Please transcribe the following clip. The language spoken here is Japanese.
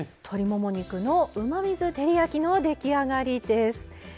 「鶏もも肉のうまみ酢照り焼き」の出来上がりです。